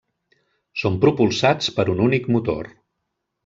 Són propulsats per un únic motor.